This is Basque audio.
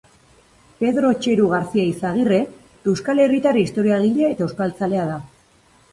Pedro Txeru García Izagirre euskal herritar historiagile eta euskaltzalea da.